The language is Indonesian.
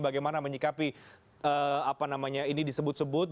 bagaimana menyikapi apa namanya ini disebut sebut